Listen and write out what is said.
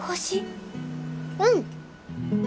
うん！